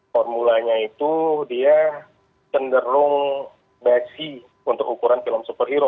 formulanya itu dia cenderung basi untuk ukuran film superhero